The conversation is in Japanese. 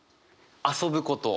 遊ぶこと。